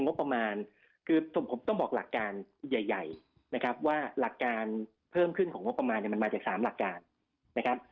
งบประมาณคือผมต้องบอกหลักการใหญ่นะครับว่าหลักการเพิ่มขึ้นของงบประมาณเนี่ยมันมาจาก๓หลักการนะครับ